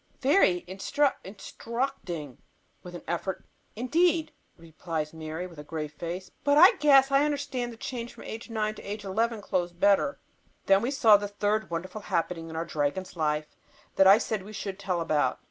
"Very instruct instructing" with an effort "indeed," replies Mary, with grave face. "But I guess I understand the change from age nine to age eleven clothes better." And then we saw the third wonderful happening in our dragon's life that I said we should tell about.